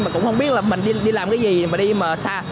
mà cũng không biết là mình đi làm cái gì mà đi mà xa